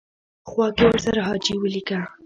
خوا کې ورسره حاجي ولیکه.